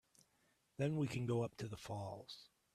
Then we can go up to the falls.